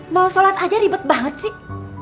mau sholat aja ribet banget sih